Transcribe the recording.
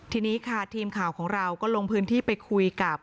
ทีนี้ค่ะทีมข่าวของเราก็ลงพื้นที่ไปคุยกับ